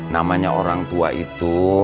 namanya orang tua itu